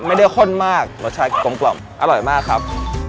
ข้นมากรสชาติกลมอร่อยมากครับ